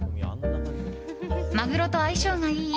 マグロと相性がいい